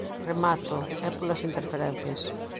Remato, é polas interferencias.